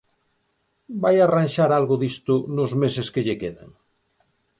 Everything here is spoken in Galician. ¿Vai arranxar algo disto nos meses que lle quedan?